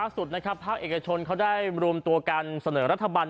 สุดนะครับภาคเอกชนเขาได้รวมตัวกันเสนอรัฐบาล